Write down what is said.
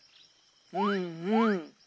うんうん。